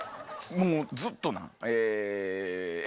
もうずっと。